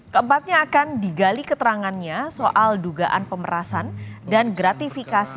keempatnya akan digali keterangannya soal dugaan pemerasan dan gratifikasi